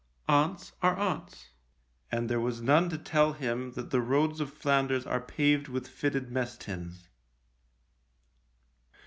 Aunts are aunts, and there was none to tell him that the roads of Flanders are paved with fitted mess tins.